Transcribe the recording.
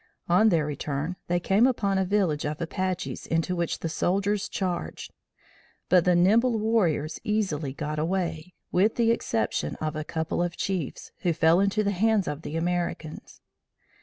On their return, they came upon a village of Apaches into which the soldiers charged; but the nimble warriors easily got away, with the exception of a couple of chiefs who fell into the hands of the Americans.